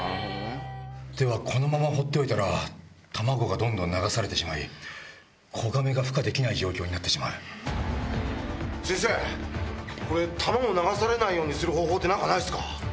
ではこのまま放っておいたら、卵がどんどん流されてしまい、子ガメがふ化できない状況になっ先生、これ、卵を流されないようにする方法ってなんかないっすか？